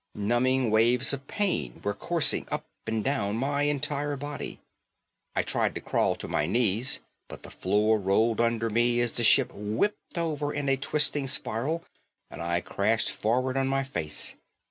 Numbing waves of pain were coursing up and down my entire body. I tried to crawl to my knees but the floor rolled under me as the ship whipped over in a twisting spiral and I crashed forward on my face.